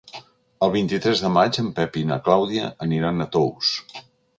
El vint-i-tres de maig en Pep i na Clàudia aniran a Tous.